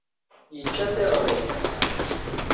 Yečča tiɣrit.